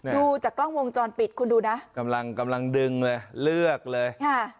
ดูจากกล้องวงจรปิดคุณดูนะกำลังดึงเลยเลือกเลย